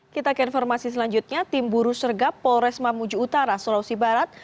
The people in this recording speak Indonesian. kita ke informasi selanjutnya tim buru sergap polres mamuju utara sulawesi barat